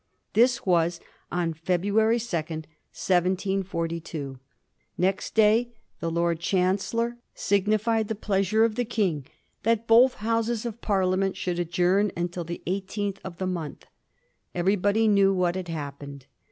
This was on February 2, 1742. Next day the Lord Chancellor signified the pleasure of the King that both Houses of Parliament should adjourn until the eighteenth of the month. Everybody knew what had happened.